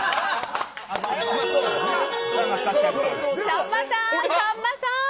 さんまさん、さんまさん。